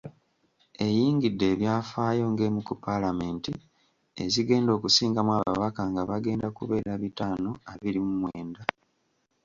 Eyingidde ebyafaayo ng’emu ku Paalamenti ezigenda okusingamu ababaka nga bagenda kubeera bitaano abiri mu mwenda..